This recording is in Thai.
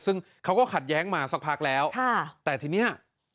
ซึ่งเขาก็ขัดแย้งมาสักพักแล้วแต่ทีนี้